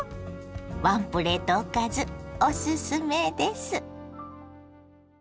ワンプレートおかずおすすめです。